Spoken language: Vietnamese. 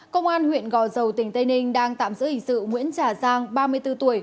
công an huyện gò dầu tỉnh tây ninh đang tạm giữ hình sự nguyễn trà giang ba mươi bốn tuổi